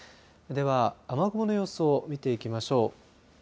では雨雲の様子を見ていきましょう。